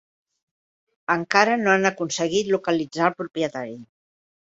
Encara no han aconseguit localitzar el propietari.